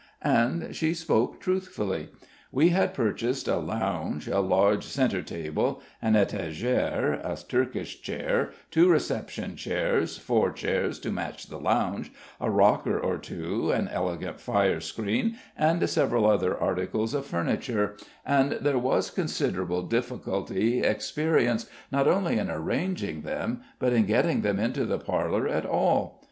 And she spoke truthfully. We had purchased a lounge, a large centre table, an etagere, a Turkish chair, two reception chairs, four chairs to match the lounge, a rocker or two, an elegant firescreen, and several other articles of furniture, and there was considerable difficulty experienced, not only in arranging them, but in getting them into the parlor at all.